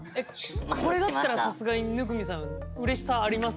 これだったらさすがに生見さんうれしさあります？